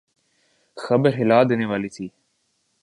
خبر ہلا دینے والی تھی۔